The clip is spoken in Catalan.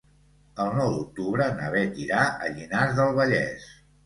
El nou d'octubre na Bet irà a Llinars del Vallès.